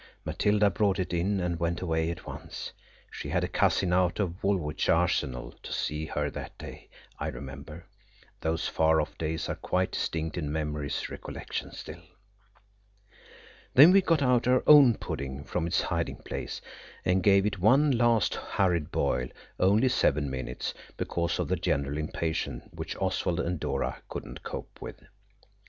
Matilda brought it in and went away at once. She had a cousin out of Woolwich Arsenal to see her that day, I remember. Those far off days are quite distinct in memory's recollection still. Then we got out our own pudding from its hiding place and gave it one last hurried boil–only seven minutes, because of the general impatience which Oswald and Dora could not cope with.